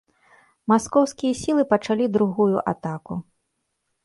Маскоўскія сілы пачалі другую атаку.